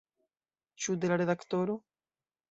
Ĉu de la redaktoro?